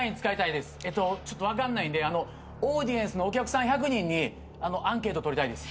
ちょっと分かんないんでオーディエンスのお客さん１００人にアンケート取りたいです。